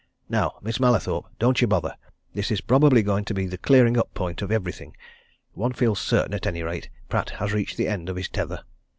Now, Miss Mallathorpe, don't you bother this is probably going to be the clearing up point of everything. One feels certain, at any rate Pratt has reached the end of his tether!"